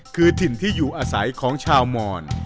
คือถิ่นที่อยู่อาศัยของชาวมอน